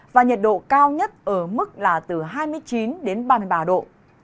và nhiệt độ cao nhất ở mức là từ hai mươi chín đến ba mươi ba độ